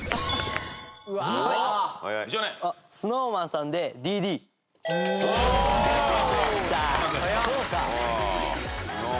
ＳｎｏｗＭａｎさんで『Ｄ．Ｄ．』。そうか！